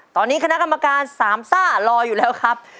ตอนนี้คณะกรรมการสามซ่ารออยู่แล้วครับ